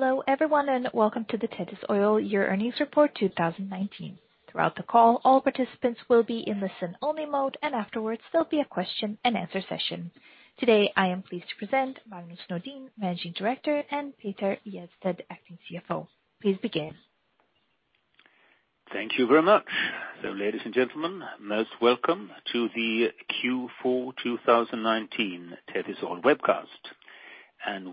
Hello everyone, and welcome to the Tethys Oil Year Earnings Report 2019. Throughout the call, all participants will be in listen only mode, and afterwards there will be a question-and-answer session. Today, I am pleased to present Magnus Nordin, Managing Director, and Petter Hjertstedt, Acting CFO. Please begin. Thank you very much. Ladies and gentlemen, most welcome to the Q4 2019 Tethys Oil webcast.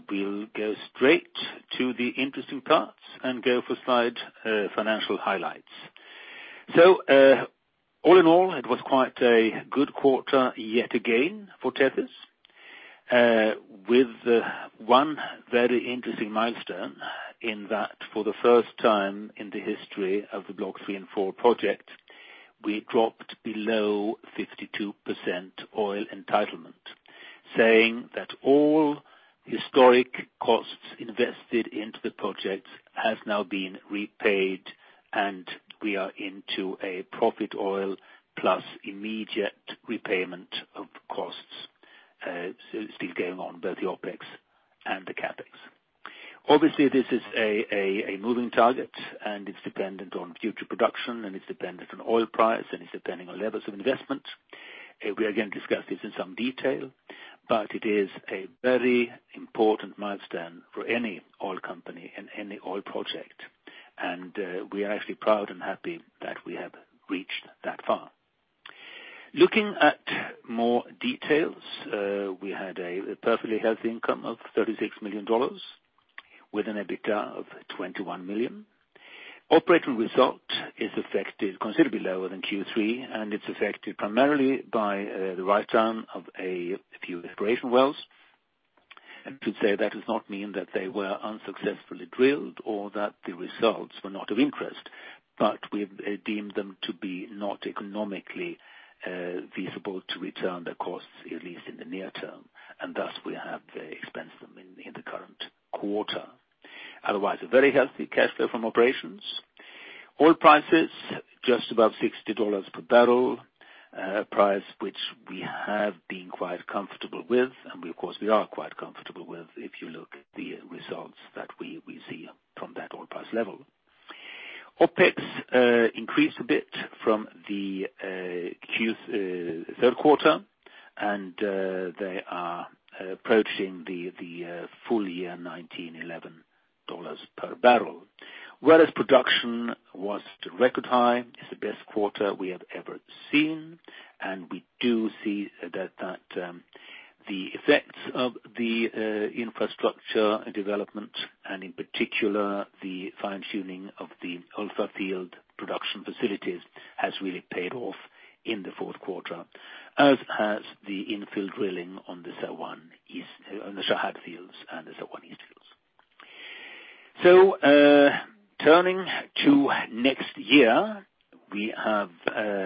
We'll go straight to the interesting parts and go for slide, financial highlights. All in all, it was quite a good quarter yet again for Tethys, with one very interesting milestone in that for the first time in the history of the Blocks 3 & 4 project, we dropped below 52% oil entitlement, saying that all historic costs invested into the project have now been repaid, and we are into a profit oil plus immediate repayment of costs, still going on both the OpEx and the CapEx. Obviously, this is a moving target, and it's dependent on future production, and it's dependent on oil price, and it's dependent on levels of investment. We are going to discuss this in some detail, but it is a very important milestone for any oil company and any oil project. We are actually proud and happy that we have reached that far. Looking at more details, we had a perfectly healthy income of $36 million, with an EBITDA of $21 million. Operating result is affected considerably lower than Q3. It's affected primarily by the writedown of a few exploration wells. To say that does not mean that they were unsuccessfully drilled or that the results were not of interest, but we've deemed them to be not economically feasible to return the costs, at least in the near term, and thus we have expensed them in the current quarter. Otherwise, a very healthy cash flow from operations. Oil prices, just above $60 per barrel, a price which we have been quite comfortable with and we of course are quite comfortable with if you look at the results that we see from that oil price level. OpEx increased a bit from the third quarter. They are approaching the full year 2019 $11 per barrel. Well as production was to record high, it's the best quarter we have ever seen. We do see that the effects of the infrastructure development and in particular the fine-tuning of the Alpha field production facilities has really paid off in the fourth quarter, as has the infill drilling on the Shahd fields and the Saiwan East fields. Turning to next year, we have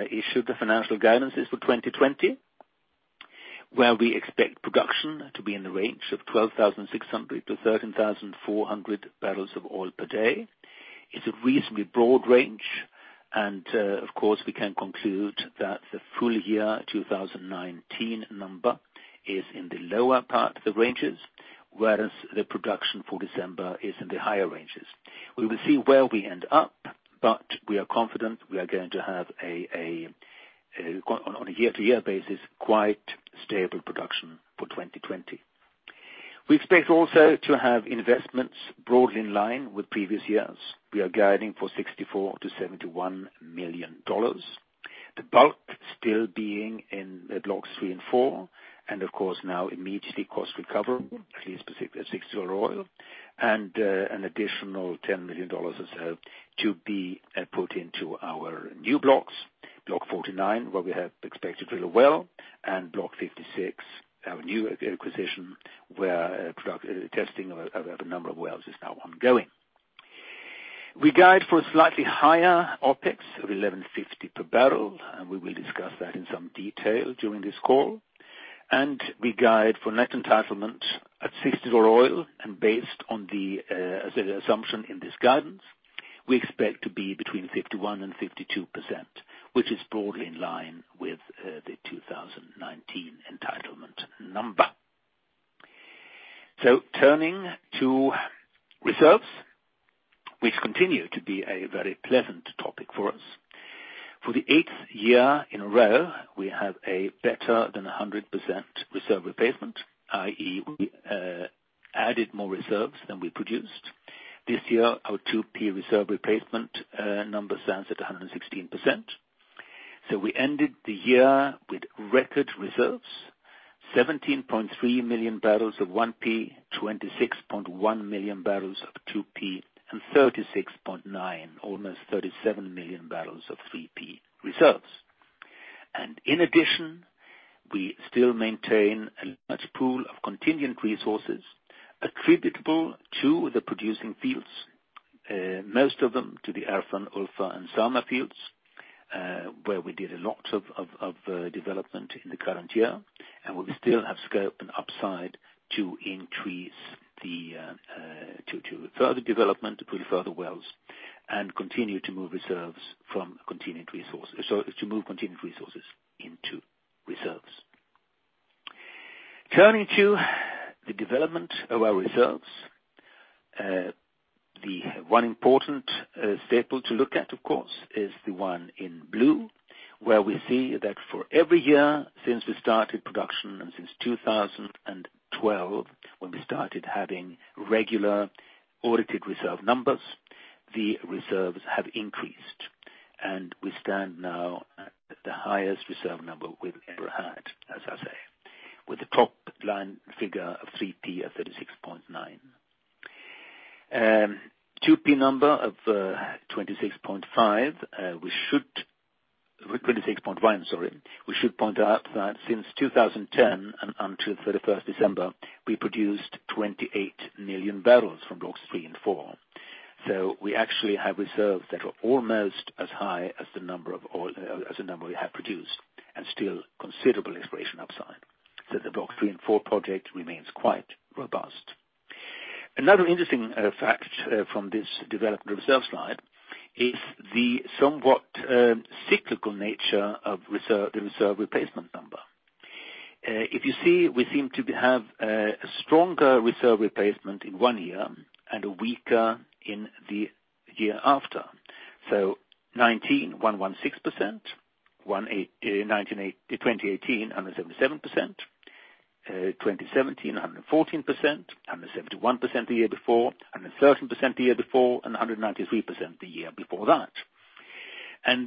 issued the financial guidances for 2020, where we expect production to be in the range of 12,600-13,400 bbl of oil per day. It's a reasonably broad range. Of course, we can conclude that the full year 2019 number is in the lower part of the ranges, whereas the production for December is in the higher ranges. We will see where we end up, but we are confident we are going to have, on a year-to-year basis, quite stable production for 2020. We expect also to have investments broadly in line with previous years. We are guiding for $64 million-$71 million. The bulk still being in Blocks 3 & 4, of course now immediately cost recoverable, at least specific at $6 oil, and an additional $10 million or so to be put into our new blocks. Block 49, where we have expected to drill a well, and Block 56, our new acquisition, where production testing of a number of wells is now ongoing. We guide for a slightly higher OpEx of $11.50 per barrel, and we will discuss that in some detail during this call. We guide for net entitlement at $60 oil. Based on the assumption in this guidance, we expect to be between 51% and 52%, which is broadly in line with the 2019 entitlement number. Turning to reserves, which continue to be a very pleasant topic for us. For the 8th year in a row, we have a better than 100% reserve replacement, i.e., we added more reserves than we produced. This year, our 2P reserve replacement number stands at 116%. We ended the year with record reserves, 17.3 million bbl of 1P, 26.1 million bbl of 2P, and 36.9, almost 37 million bbl of 3P reserves. In addition, we still maintain a large pool of contingent resources attributable to the producing fields, most of them to the Ara, Alpha and Sama fields, where we did a lot of development in the current year, and we still have scope and upside to further development to put further wells. Continue to move contingent resources into reserves. Turning to the development of our reserves. The one important staple to look at, of course, is the one in blue, where we see that for every year since we started production and since 2012, when we started having regular audited reserve numbers, the reserves have increased. We stand now at the highest reserve number we've ever had, as I say, with the top line figure of 3P at 36.9 million. 2P number of 26.1 million, sorry. We should point out that since 2010 and until 31st December, we produced 28 million bbl from Blocks 3 & 4. We actually have reserves that are almost as high as the number we have produced, and still considerable exploration upside. The Blocks 3 & 4 project remains quite robust. Another interesting fact from this development reserve slide is the somewhat cyclical nature of the reserve replacement number. If you see, we seem to have a stronger reserve replacement in one year and weaker in the year after. 2019, 116%, 2018, 177%, 2017, 114%, 171% the year before, 113% the year before, and 193% the year before that.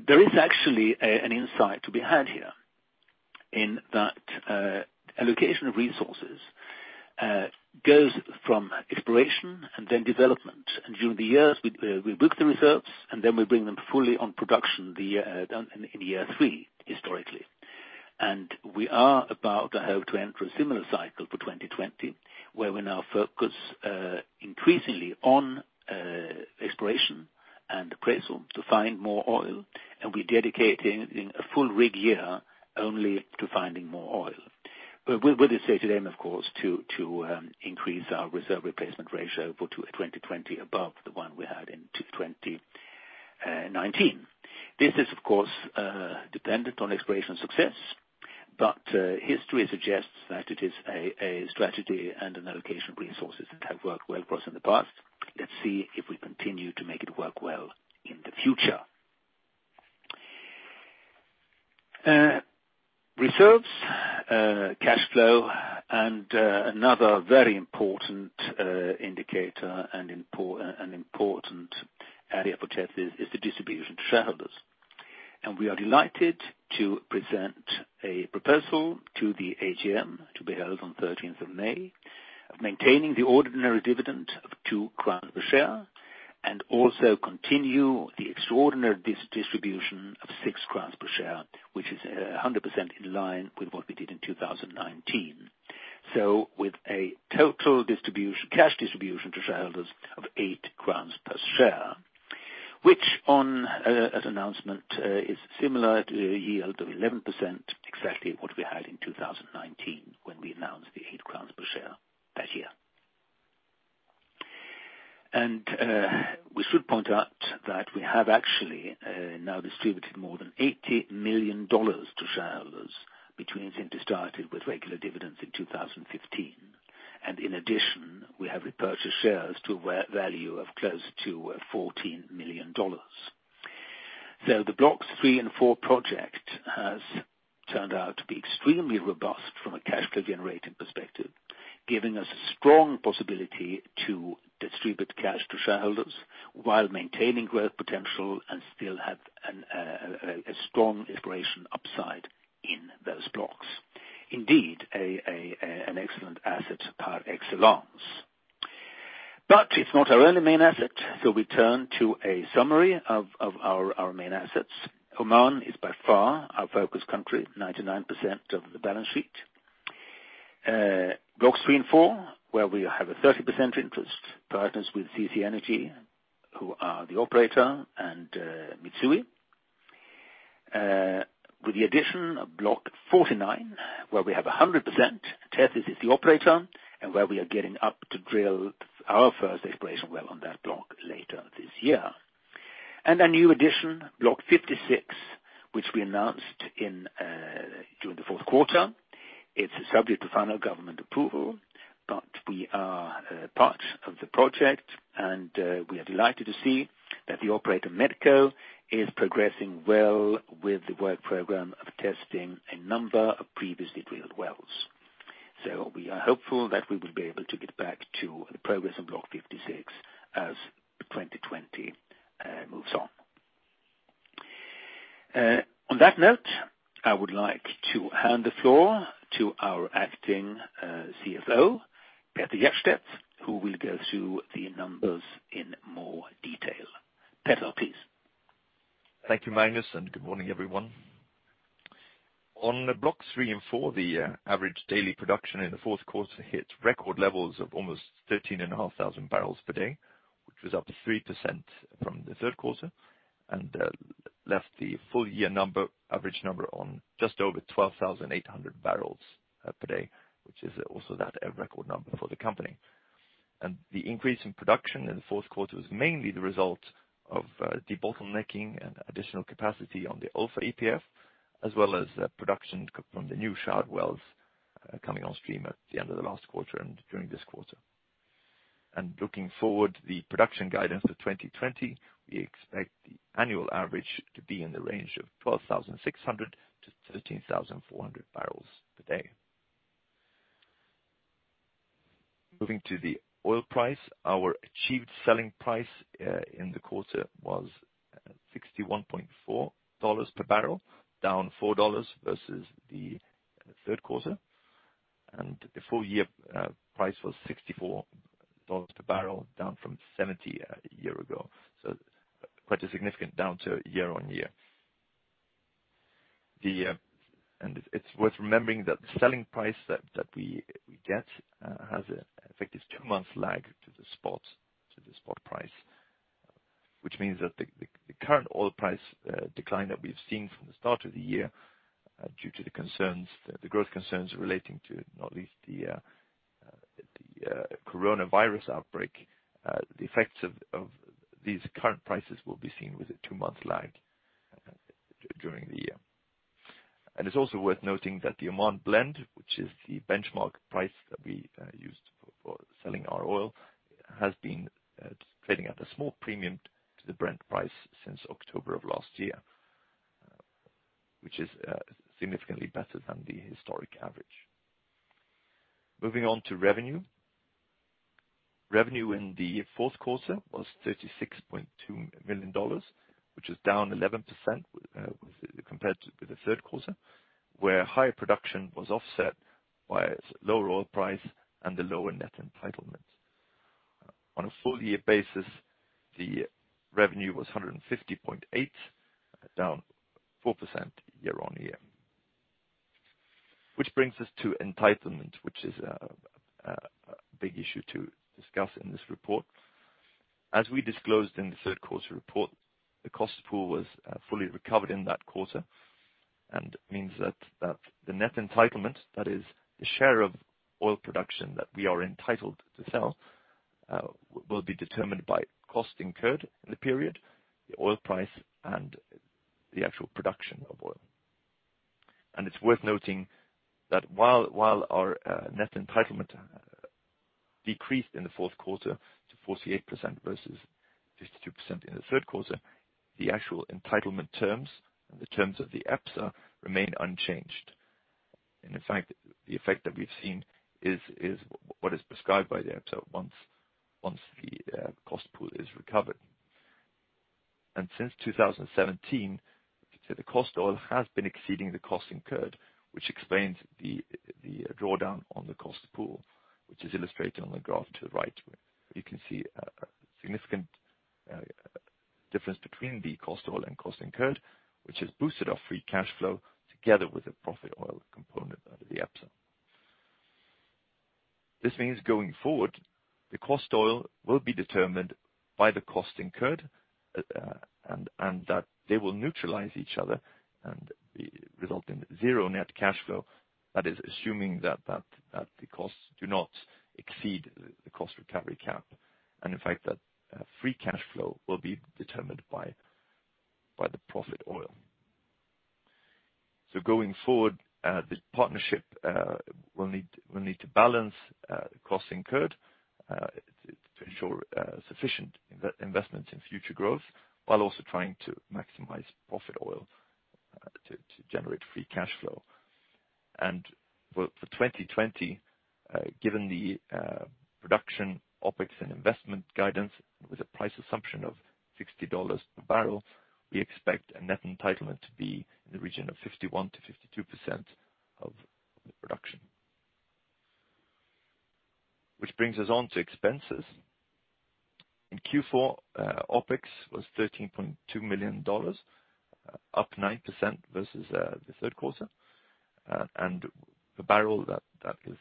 There is actually an insight to be had here in that allocation of resources goes from exploration and then development. During the years, we book the reserves, and then we bring them fully on production in year three, historically. We are about to enter a similar cycle for 2020, where we now focus increasingly on exploration and appraisal to find more oil, and we're dedicating a full rig year only to finding more oil. With this stated aim, of course, to increase our reserve replacement ratio for 2020 above the one we had in 2019. This is, of course, dependent on exploration success, but history suggests that it is a strategy and an allocation of resources that have worked well for us in the past. Let's see if we continue to make it work well in the future. Reserves, cash flow, and another very important indicator and important area for Tethys is the distribution to shareholders. We are delighted to present a proposal to the AGM to be held on 13th of May, of maintaining the ordinary dividend of 2 crowns per share, and also continue the extraordinary distribution of 6 crowns per share, which is 100% in line with what we did in 2019. With a total cash distribution to shareholders of 8 crowns per share, which as announcement, is similar to a yield of 11%, exactly what we had in 2019 when we announced the 8 crowns per share that year. We should point out that we have actually now distributed more than $80 million to shareholders between since we started with regular dividends in 2015. In addition, we have repurchased shares to a value of close to $14 million. The Blocks 3 & 4 project has turned out to be extremely robust from a cash flow generating perspective, giving us a strong possibility to distribute cash to shareholders while maintaining growth potential and still have a strong exploration upside in those blocks. Indeed, an excellent asset par excellence. It is not our only main asset, we turn to a summary of our main assets. Oman is by far our focus country, 99% of the balance sheet. Blocks 3 & 4, where we have a 30% interest, partners with CC Energy, who are the operator, and Mitsui. With the addition of Block 49, where we have 100%, Tethys is the operator, and where we are getting up to drill our first exploration well on that block later this year. A new addition, Block 56, which we announced during the fourth quarter. It's subject to final government approval, but we are a part of the project, and we are delighted to see that the operator, Medco, is progressing well with the work program of testing a number of previously drilled wells. We are hopeful that we will be able to get back to the progress on Block 56 as 2020 moves on. On that note, I would like to hand the floor to our acting CFO, Petter Hjertstedt, who will go through the numbers in more detail. Petter, please. Thank you, Magnus. Good morning, everyone. On Blocks 3 & 4, the average daily production in the fourth quarter hit record levels of almost 13,500 bbl per day, which was up 3% from the third quarter, left the full year average number on just over 12,800 bbl per day, which is also that record number for the company. The increase in production in the fourth quarter was mainly the result of debottlenecking and additional capacity on the Alpha EPF, as well as production from the new Shahd wells coming on stream at the end of the last quarter and during this quarter. Looking forward, the production guidance for 2020, we expect the annual average to be in the range of 12,600-13,400 bbl per day. Moving to the oil price. Our achieved selling price in the quarter was $61.40 per barrel, down $4 versus the third quarter. The full year price was $64 per barrel, down from $70 a year ago. Quite a significant downturn year on year. It's worth remembering that the selling price that we get has, in fact, this two-month lag to the spot price. Which means that the current oil price decline that we've seen from the start of the year, due to the growth concerns relating to, not least, the coronavirus outbreak, the effects of these current prices will be seen with a two-month lag during the year. It's also worth noting that the Oman blend, which is the benchmark price that we used for selling our oil, has been trading at a small premium to the Brent price since October of last year, which is significantly better than the historic average. Moving on to revenue. Revenue in the fourth quarter was $36.2 million, which is down 11% compared to the third quarter, where higher production was offset by lower oil price and the lower net entitlement. On a full-year basis, the revenue was $150.8, down 4% year-on-year. Which brings us to entitlement, which is a big issue to discuss in this report. As we disclosed in the third quarter report, the cost pool was fully recovered in that quarter and means that the net entitlement, that is the share of oil production that we are entitled to sell, will be determined by cost incurred in the period, the oil price and the actual production of oil. It's worth noting that while our net entitlement decreased in the fourth quarter to 48% versus 52% in the third quarter, the actual entitlement terms and the terms of the EPSA remain unchanged. In fact, the effect that we've seen is what is prescribed by the EPSA once the cost pool is recovered. Since 2017, the cost oil has been exceeding the cost incurred, which explains the drawdown on the cost pool, which is illustrated on the graph to the right. You can see a significant difference between the cost oil and cost incurred, which has boosted our free cash flow together with a profit oil component under the EPSA. They will neutralize each other and result in zero net cash flow. That is assuming that the costs do not exceed the cost recovery cap. In fact, that free cash flow will be determined by the profit oil. Going forward, the partnership will need to balance cost incurred to ensure sufficient investments in future growth while also trying to maximize profit oil to generate free cash flow. For 2020, given the production, OpEx and investment guidance with a price assumption of $60 per barrel, we expect a net entitlement to be in the region of 51%-52% of the production. Which brings us on to expenses. In Q4, OpEx was $13.2 million, up 9% versus the third quarter. The barrel, that is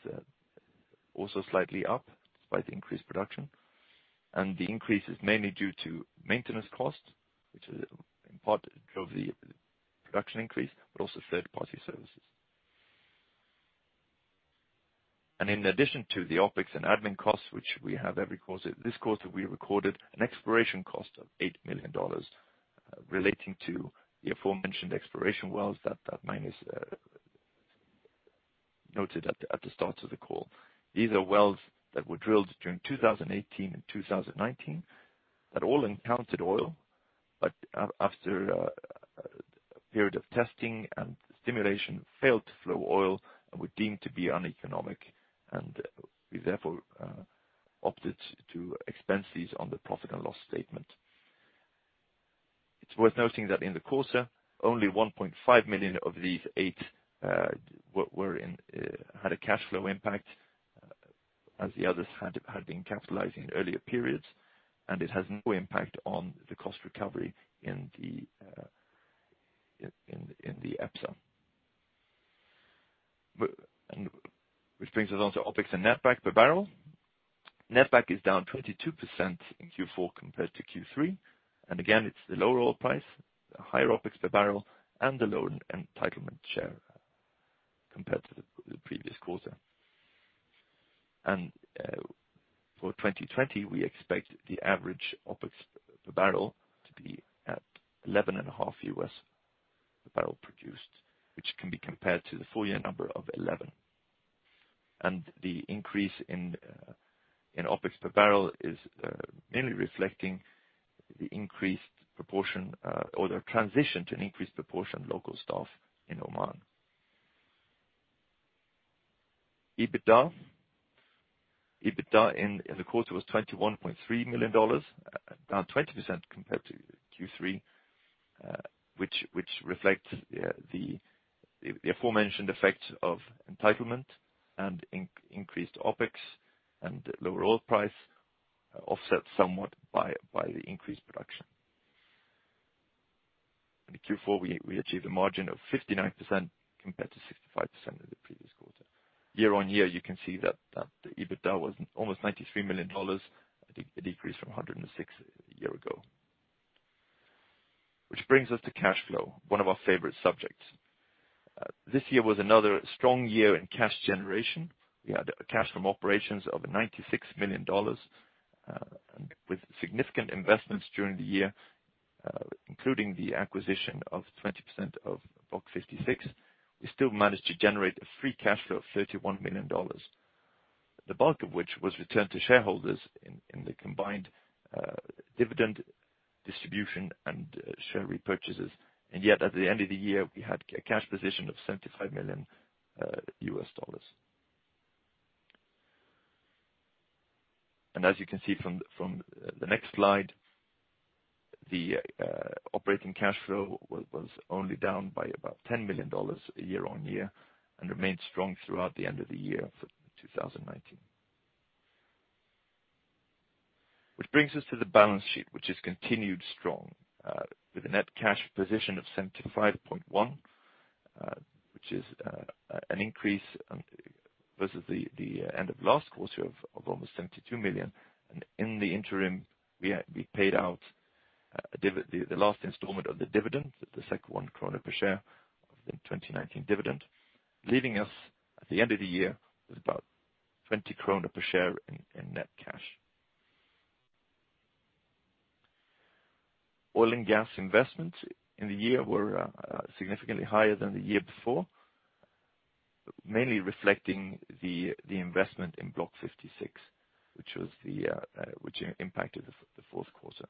also slightly up despite the increased production, and the increase is mainly due to maintenance costs, which in part drove the production increase, but also third-party services. In addition to the OpEx and admin costs, which we have every quarter, this quarter, we recorded an exploration cost of $8 million relating to the aforementioned exploration wells that Magnus Nordin noted at the start of the call. These are wells that were drilled during 2018 and 2019 that all encountered oil, but after a period of testing and stimulation, failed to flow oil and were deemed to be uneconomic, and we therefore opted to expense these on the profit and loss statement. It is worth noting that in the quarter, only $1.5 million of these $8 million had a cash flow impact as the others had been capitalized in earlier periods. It has no impact on the cost recovery in the EPSA. Which brings us on to OpEx and netback per barrel. Netback is down 22% in Q4 compared to Q3. Again, it is the lower oil price, the higher OpEx per barrel, and the lower entitlement share compared to the previous quarter. For 2020, we expect the average OpEx per barrel to be at $11.50 per barrel produced, which can be compared to the full year number of $11. The increase in OpEx per barrel is mainly reflecting the increased proportion or the transition to an increased proportion local staff in Oman. EBITDA. EBITDA in the quarter was $21.3 million, down 20% compared to Q3, which reflects the aforementioned effects of entitlement and increased OpEx and lower oil price, offset somewhat by the increased production. In Q4, we achieved a margin of 59% compared to 65% in the previous quarter. Year-on-year, you can see that the EBITDA was almost $93 million, a decrease from $106 million a year ago. Which brings us to cash flow, one of our favorite subjects. This year was another strong year in cash generation. We had cash from operations of $96 million, with significant investments during the year, including the acquisition of 20% of Block 56. We still managed to generate a free cash flow of $31 million, the bulk of which was returned to shareholders in the combined dividend distribution and share repurchases. Yet at the end of the year, we had a cash position of $75 million. As you can see from the next slide, the operating cash flow was only down by about $10 million year-on-year and remained strong throughout the end of the year for 2019. Brings us to the balance sheet, which has continued strong, with a net cash position of $75.1 million, which is an increase versus the end of last quarter of almost $72 million. In the interim, we paid out the last installment of the dividend, the second one SEK per share of the 2019 dividend, leaving us at the end of the year with about 20 krona per share in net cash. Oil and gas investments in the year were significantly higher than the year before, mainly reflecting the investment in Block 56, which impacted the fourth quarter.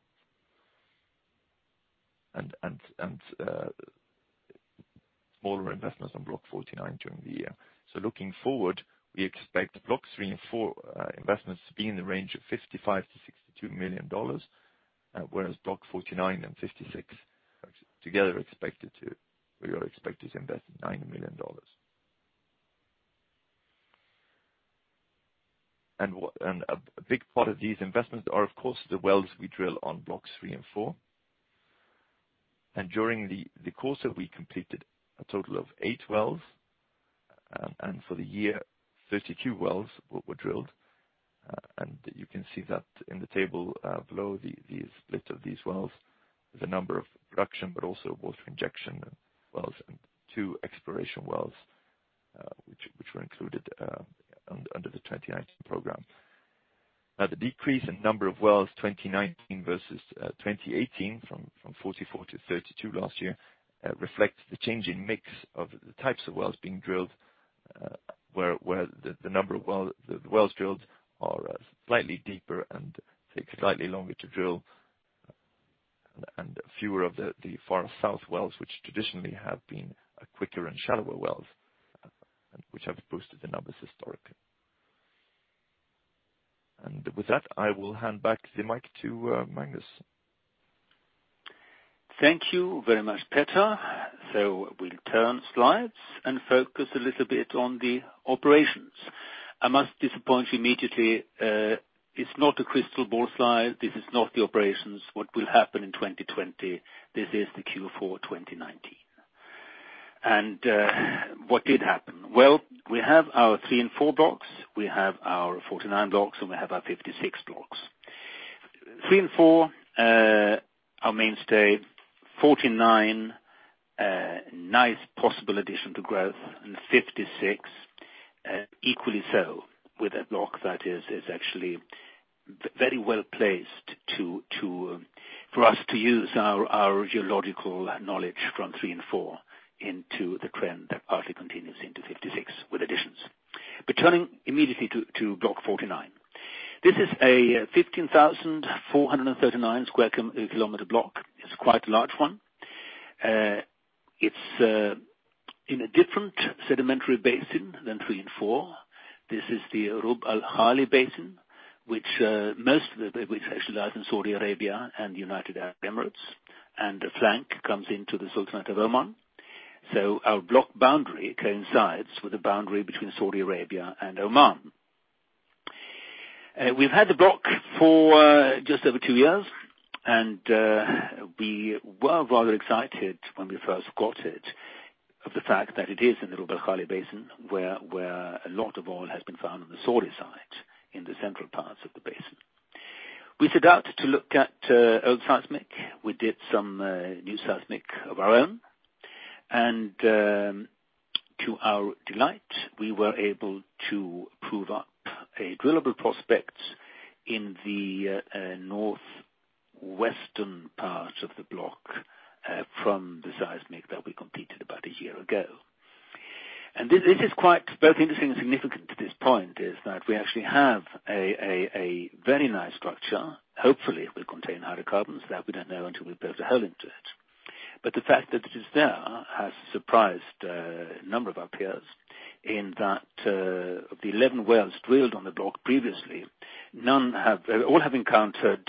Smaller investments on Block 49 during the year. Looking forward, we expect Block 3 & 4 investments to be in the range of $55 million-$62 million, whereas Block 49 and 56, together we will expect to invest $9 million. A big part of these investments are, of course, the wells we drill on Blocks 3 & 4. During the quarter, we completed a total of eight wells. For the year, 32 wells were drilled. You can see that in the table below, the split of these wells, the number of production, but also water injection wells and two exploration wells, which were included under the 2019 program. Now the decrease in number of wells 2019 versus 2018, from 44-32 last year, reflects the change in mix of the types of wells being drilled, where the wells drilled are slightly deeper and take slightly longer to drill, and fewer of the Farha South wells, which traditionally have been quicker and shallower wells, which have boosted the numbers historically. With that, I will hand back the mic to Magnus. Thank you very much, Petter. We'll turn slides and focus a little bit on the operations. I must disappoint you immediately. It's not a crystal ball slide. This is not the operations, what will happen in 2020. This is the Q4 2019. What did happen? Well, we have our Block 3 & 4. We have our Block 49, and we have our Block 56. Block 3 & 4 are mainstay. 49, nice possible addition to growth, and 56, equally so, with a block that is actually very well-placed for us to use our geological knowledge from Block 3 & 4 into the trend that partly continues into 56 with additions. Turning immediately to Block 49. This is a 15,439 sq km block. It's quite a large one. It's in a different sedimentary basin than Block 3 & 4. This is the Rub' al Khali Basin, which specialized in Saudi Arabia and United Arab Emirates. The flank comes into the Sultanate of Oman. Our block boundary coincides with the boundary between Saudi Arabia and Oman. We've had the block for just over two years, and we were rather excited when we first got it, of the fact that it is in the Rub' al Khali Basin, where a lot of oil has been found on the Saudi side, in the central parts of the basin. We set out to look at old seismic. We did some new seismic of our own, and to our delight, we were able to prove up a drillable prospect in the northwestern part of the block from the seismic that we completed about a year ago. This is quite both interesting and significant to this point is that we actually have a very nice structure. Hopefully, it will contain hydrocarbons. That we don't know until we build a hole into it. The fact that it is there has surprised a number of our peers, in that, of the 11 wells drilled on the block previously, all have encountered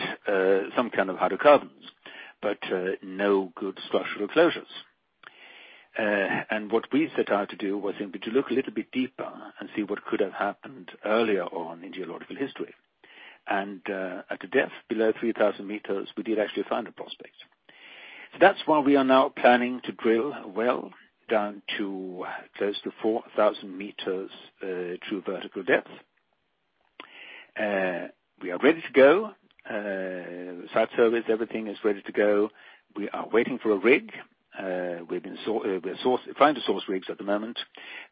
some kind of hydrocarbons, but no good structural closures. What we set out to do was then to look a little bit deeper and see what could have happened earlier on in geological history. At a depth below 3,000 meters, we did actually find a prospect. That's why we are now planning to drill a well down to close to 4,000 meters through vertical depth. We are ready to go. Subsurface, everything is ready to go. We are waiting for a rig. We're trying to source rigs at the moment.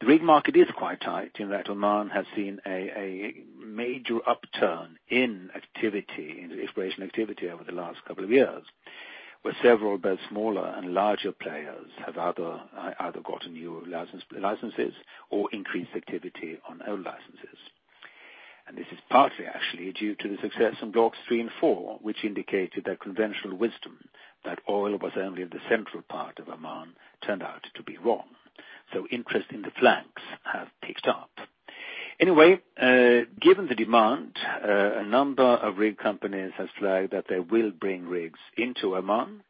The rig market is quite tight in that Oman has seen a major upturn in exploration activity over the last couple of years, where several both smaller and larger players have either gotten new licenses or increased activity on old licenses. This is partly actually due to the success in Blocks 3 & 4, which indicated that conventional wisdom that oil was only in the central part of Oman, turned out to be wrong. Interest in the flanks have picked up. Anyway, given the demand, a number of rig companies have flagged that they will bring rigs into Oman.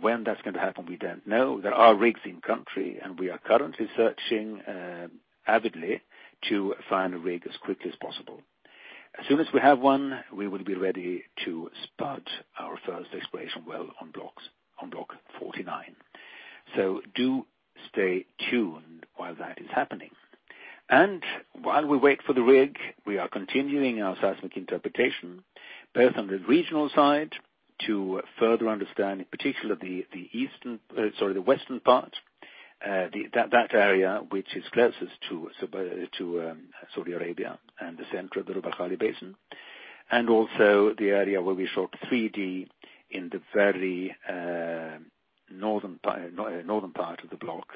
When that's going to happen, we don't know. There are rigs in country, and we are currently searching avidly to find a rig as quickly as possible. As soon as we have one, we will be ready to spud our first exploration well on Block 49. Do stay tuned while that is happening. While we wait for the rig, we are continuing our seismic interpretation, both on the regional side to further understand, in particular the western part, that area which is closest to Saudi Arabia and the center of the Rub' al Khali Basin. Also, the area where we shot 3D in the very northern part of the block,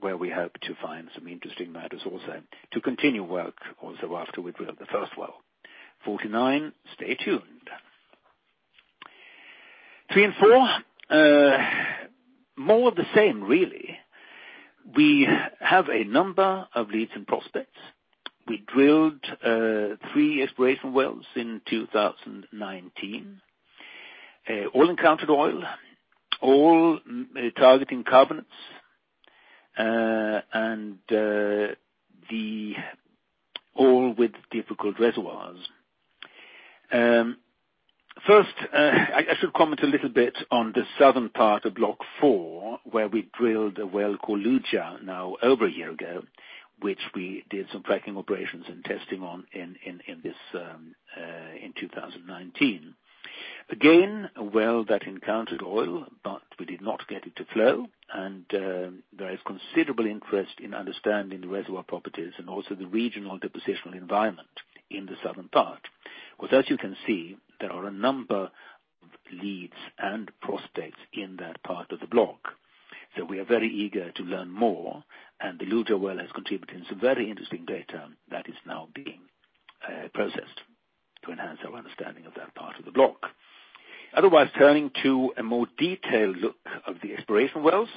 where we hope to find some interesting matters also, to continue work also after we drill the first well, 49. Stay tuned. Three and four, more of the same, really. We have a number of leads and prospects. We drilled three exploration wells in 2019. All encountered oil, all targeting carbonates, and all with difficult reservoirs. I should comment a little bit on the southern part of Block 4, where we drilled a well called Lutja now over a year ago, which we did some fracking operations and testing on in 2019. A well that encountered oil, but we did not get it to flow. There is considerable interest in understanding the reservoir properties and also the regional depositional environment in the southern part. As you can see, there are a number of leads and prospects in that part of the Block. We are very eager to learn more, and the Lutja well has contributed some very interesting data that is now being processed to enhance our understanding of that part of the Block. Turning to a more detailed look of the exploration wells.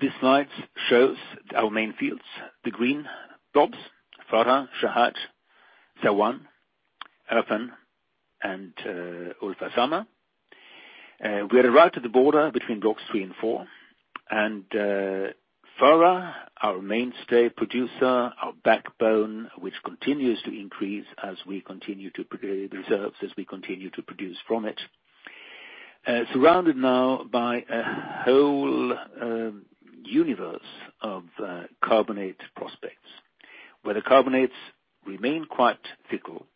This slide shows our main fields, the green blobs, Farha, Shahd, Thawan, Erfan, and Al Faza. We had arrived at the border between Blocks 3 & 4. Farha, our mainstay producer, our backbone, which continues to increase reserves as we continue to produce from it, surrounded now by a whole universe of carbonate prospects, where the carbonates remain quite fickle.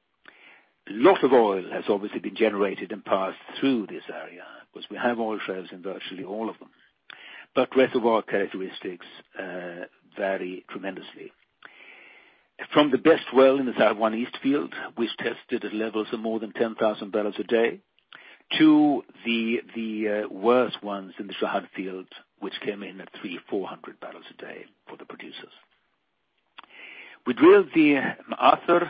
A lot of oil has obviously been generated and passed through this area because we have oil reserves in virtually all of them. Reservoir characteristics vary tremendously. From the best well in the Saiwan East field, which tested at levels of more than 10,000 bbl a day, to the worst ones in the Shahd field, which came in at 300-400 bbl a day for the producers. We drilled the Maathar,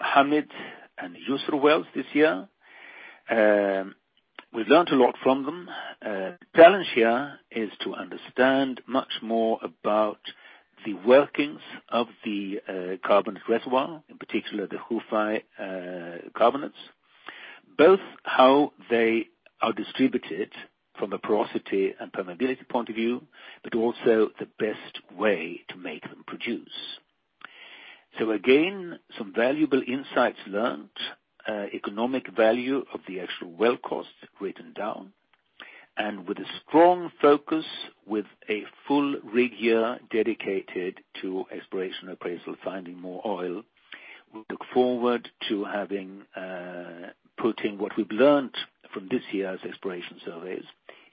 Hamid, and Yusra wells this year. We've learned a lot from them. The challenge here is to understand much more about the workings of the carbonate reservoir, in particular the Khuff carbonates. Both how they are distributed from a porosity and permeability point of view, but also the best way to make them produce. Again, some valuable insights learned, economic value of the actual well cost written down, and with a strong focus with a full rig year dedicated to exploration appraisal, finding more oil. We look forward to putting what we've learned from this year's exploration surveys,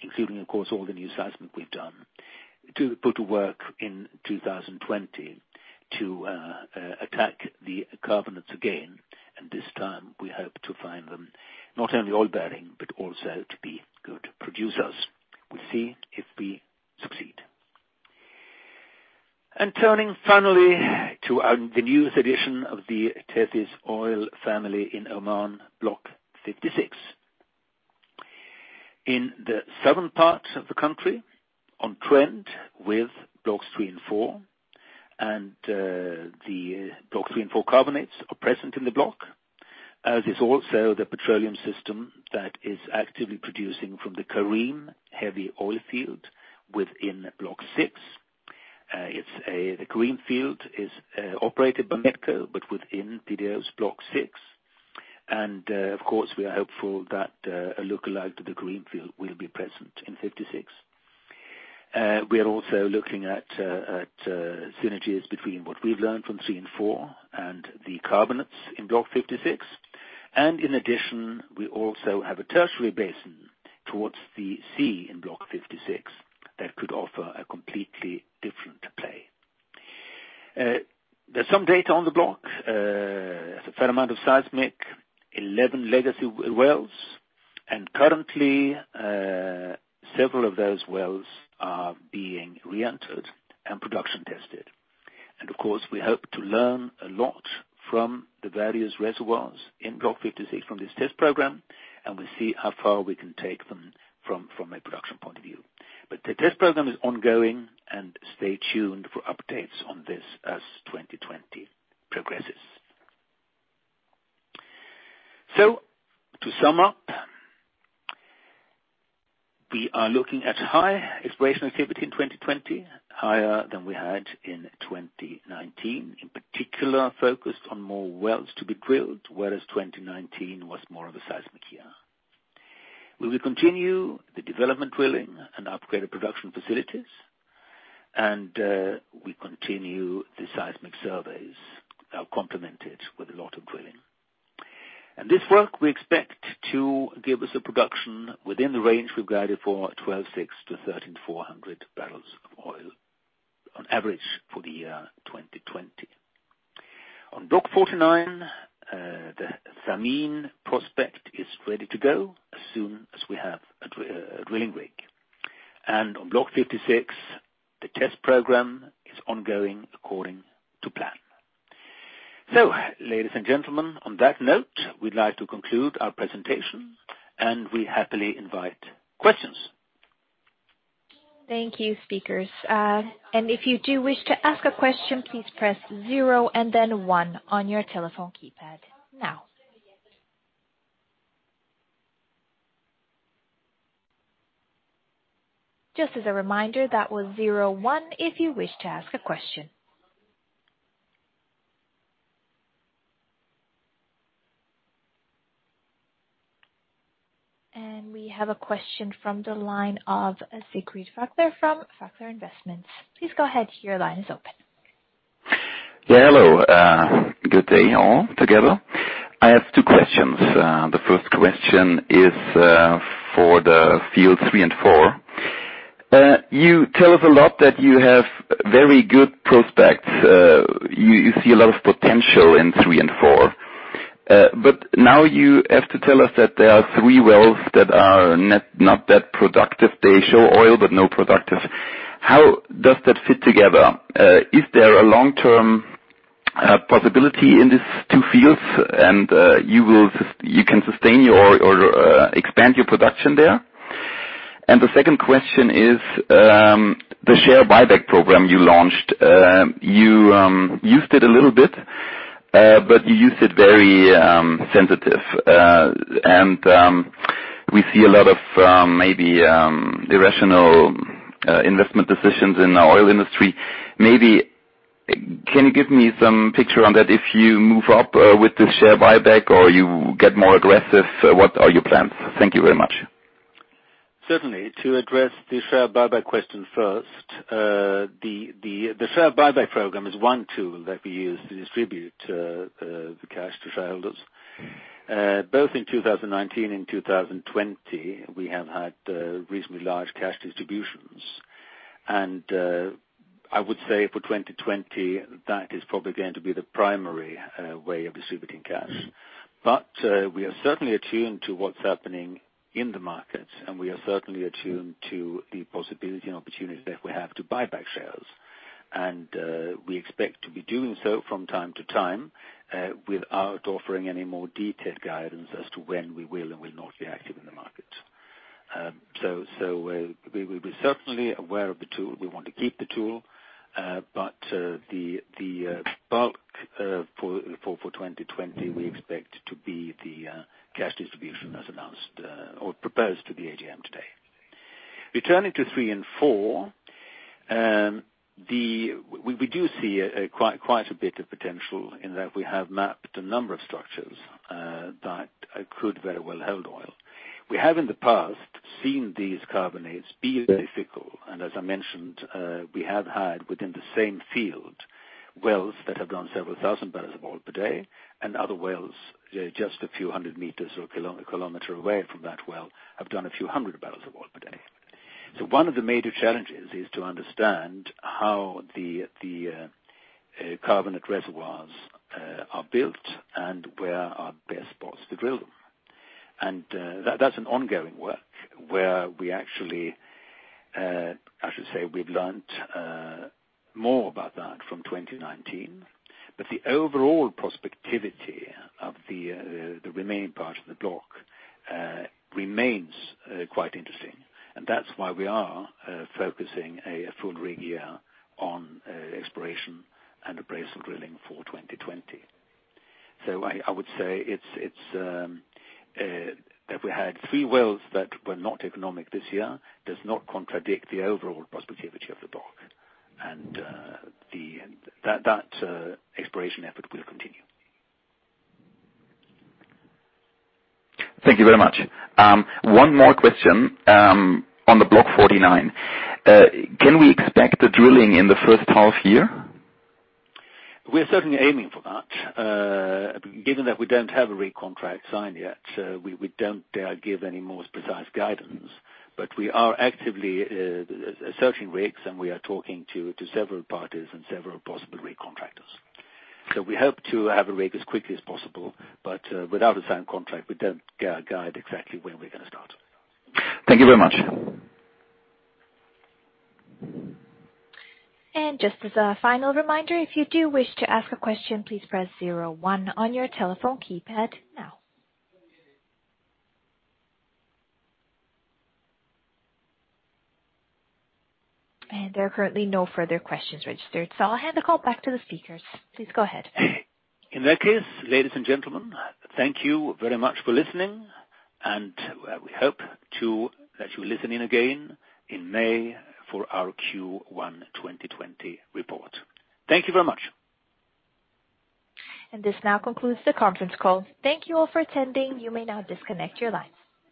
including, of course, all the new seismic we've done, to put to work in 2020 to attack the carbonates again, this time we hope to find them not only oil-bearing, but also to be good producers. We'll see if we succeed. Turning finally to our newest addition of the Tethys Oil family in Oman, Block 56. In the southern part of the country, on trend with Blocks 3 & 4, the Block 3 & 4 carbonates are present in the block. As is also the petroleum system that is actively producing from the Karim heavy oil field within Block 6. The Greenfield is operated by NETCO, but within PDO's Block 6. Of course, we are hopeful that a lookalike to the Greenfield will be present in Block 56. We are also looking at synergies between what we've learned from Blocks 3 & 4 and the carbonates in Block 56. In addition, we also have a tertiary basin towards the sea in Block 56 that could offer a completely different play. There's some data on the block. There's a fair amount of seismic, 11 legacy wells, and currently, several of those wells are being re-entered and production tested. Of course, we hope to learn a lot from the various reservoirs in Block 56 from this test program, and we'll see how far we can take them from a production point of view. The test program is ongoing and stay tuned for updates on this as 2020 progresses. To sum up, we are looking at high exploration activity in 2020, higher than we had in 2019. In particular, focused on more wells to be drilled, whereas 2019 was more of a seismic year. We will continue the development drilling and upgraded production facilities, and we continue the seismic surveys, complemented with a lot of drilling. This work we expect to give us a production within the range we've guided for, 12,600-13,400 bbl of oil on average for the year 2020. On Block 49, the Thameen prospect is ready to go as soon as we have a drilling rig. On Block 56, the test program is ongoing according to plan. Ladies and gentlemen, on that note, we'd like to conclude our presentation, and we happily invite questions. Thank you, speakers. If you do wish to ask a question, please press zero and then one on your telephone keypad now. Just as a reminder, that was zero one if you wish to ask a question. We have a question from the line of Siegfried Fackler from Fackler Investments. Please go ahead, your line is open. Yeah, hello. Good day all together. I have two questions. The first question is for the field three and four. You tell us a lot that you have very good prospects. You see a lot of potential in three and four. Now you have to tell us that there are three wells that are not that productive. They show oil, but not productive. How does that fit together? Is there a long-term possibility in these two fields and you can sustain your or expand your production there? The second question is, the share buyback program you launched. You used it a little bit, but you used it very sensitively. We see a lot of maybe irrational investment decisions in the oil industry. Maybe can you give me some picture on that if you move up with the share buyback or you get more aggressive? What are your plans? Thank you very much. Certainly, to address the share buyback question first. The share buyback program is one tool that we use to distribute the cash to shareholders. Both in 2019 and 2020, we have had reasonably large cash distributions. I would say for 2020, that is probably going to be the primary way of distributing cash. We are certainly attuned to what's happening in the markets, and we are certainly attuned to the possibility and opportunities that we have to buy back shares. We expect to be doing so from time to time without offering any more detailed guidance as to when we will and will not be active in that. We will be certainly aware of the tool. We want to keep the tool. The bulk for 2020, we expect to be the cash distribution as announced or proposed to the AGM today. Returning to three and four, we do see quite a bit of potential in that we have mapped a number of structures that could very well hold oil. We have in the past seen these carbonates be difficult, and as I mentioned, we have had within the same field wells that have done several thousand barrels of oil per day and other wells just a few hundred meters or a kilometer away from that well have done a few hundred barrels of oil per day. One of the major challenges is to understand how the carbonate reservoirs are built and where are best spots to drill them. That's an ongoing work where we actually, I should say we've learned more about that from 2019, but the overall prospectivity of the remaining part of the block remains quite interesting, and that's why we are focusing a full rig year on exploration and appraisal drilling for 2020. I would say that we had three wells that were not economic this year, does not contradict the overall prospectivity of the block. That exploration effort will continue. Thank you very much. One more question on the Block 49. Can we expect the drilling in the first half year? We're certainly aiming for that. Given that we don't have a rig contract signed yet, we don't dare give any more precise guidance. We are actively searching rigs, and we are talking to several parties and several possible rig contractors. We hope to have a rig as quickly as possible, but without a signed contract, we don't dare guide exactly when we're going to start. Thank you very much. Just as a final reminder, if you do wish to ask a question, please press zero one on your telephone keypad now. There are currently no further questions registered, so I'll hand the call back to the speakers. Please go ahead. In that case, ladies and gentlemen, thank you very much for listening, and we hope that you will listen in again in May for our Q1 2020 report. Thank you very much. This now concludes the conference call. Thank you all for attending. You may now disconnect your lines.